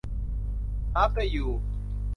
อาฟเตอร์ ยู